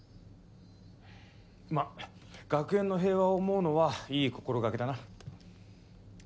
まあ学園の平和を思うのはいい心掛けだな。